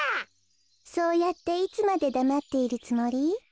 そうやっていつまでだまっているつもり？